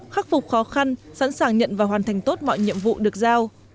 khắc phục khó khăn sẵn sàng nhận và hoàn thành tốt mọi nhiệm vụ được giao